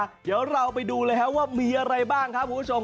เดี๋ยวเราไปดูเลยครับว่ามีอะไรบ้างครับคุณผู้ชม